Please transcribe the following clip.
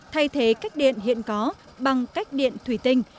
thay thế cách điện hiện có bằng cách điện thủy tinh